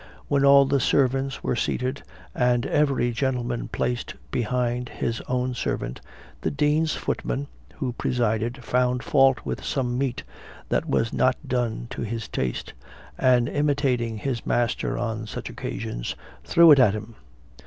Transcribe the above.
When all the servants were seated, and every gentleman placed behind his own servant, the Dean's footman, who presided, found fault with some meat that was not done to his taste; and imitating his master on such occasions, threw it at him.